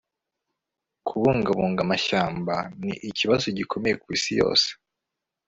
kubungabunga amashyamba nikibazo gikomeye kwisi yose